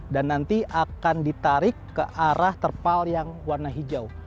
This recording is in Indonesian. dan nanti akan ditarik ke arah terpal yang warna hijau